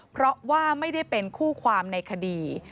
เพราะว่าไม่ได้เป็นคู่ความในคดี